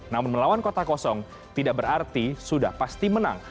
namun melawan kota kosong tidak berarti sudah pasti menang